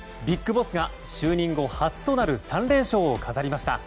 ＢＩＧＢＯＳＳが就任後初となる３連勝を飾りました。